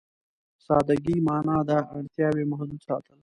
سادهګي معنا ده اړتياوې محدود ساتل.